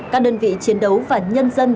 các đơn vị chiến đấu và nhân dân